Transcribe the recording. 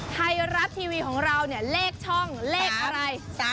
ไทยรัฐทีวีของเราเนี่ยเลขช่องเลขอะไร